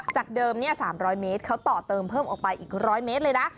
จากเดิม๓๐๐เมตรเขาต่อเติมเพิ่มออกไปอีก๑๐๐เมตรเลยนะ